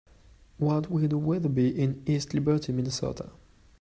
What will the weather be in East Liberty Minnesota?